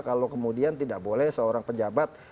kalau kemudian tidak boleh seorang pejabat